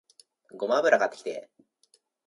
ごま油買ってきて